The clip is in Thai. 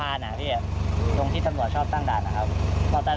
อะไรอย่างนี้จนนั่นแหละจนถึงนี่เลยพี่